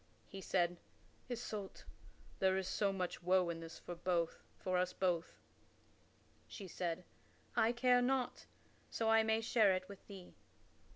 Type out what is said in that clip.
He said, "Isoult, there is much woe in this for us both." She said, "I care not, so I may share it with thee."